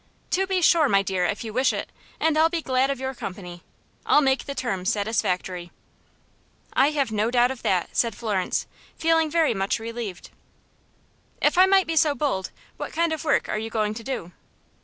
"To be sure, my dear, if you wish it, and I'll be glad of your company. I'll make the terms satisfactory." "I have no doubt of that," said Florence, feeling very much relieved. "If I might be so bold, what kind of work are you going to do?"